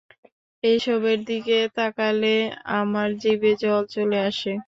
এসবের দিকে তাকালে আমার জিভে জল চলে আসে।